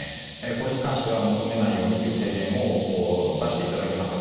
これに関しては求めないようにという提言を出していただきました。